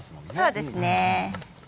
そうですね。